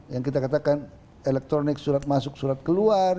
yang kita katakan elektronik surat masuk surat keluar